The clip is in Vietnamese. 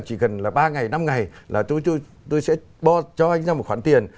chỉ cần ba ngày năm ngày là tôi sẽ cho anh ra một khoản tiền